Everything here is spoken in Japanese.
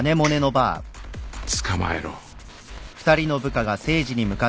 捕まえろ。